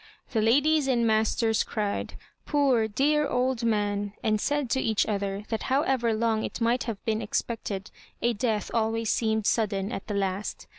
The ladies in Master's cried, " Poor dear old man 1" and said to each other, that however long it might have been expected, a death always seemed sudden at the last.